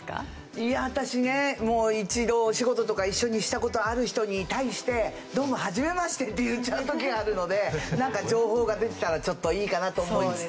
いや私ねもう一度お仕事とか一緒にした事ある人に対して「どうもはじめまして」って言っちゃう時があるのでなんか情報が出てたらちょっといいかなと思いつつ。